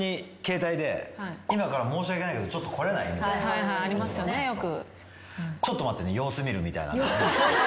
はいはいありますよねよく。